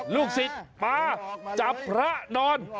ลูกศิษย์มาจับพระนอน